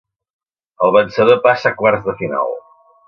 El vencedor passa a quarts de final.